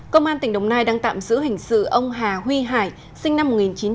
công an tỉnh đồng nai đang tạm giữ hình sự ông hà huy hải sinh năm một nghìn chín trăm tám mươi